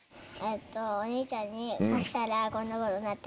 お兄ちゃんに貸したらこんなことになってなかった。